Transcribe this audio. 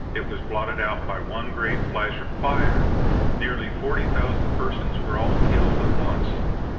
It was blotted out by one great flash of fire. Nearly 40,000 persons were all killed at once.